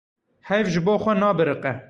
Heyv ji bo xwe nabiriqe.